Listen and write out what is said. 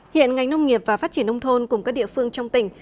hiện ngành nông nghiệp và phát triển nông thôn cùng các địa phương trong tỉnh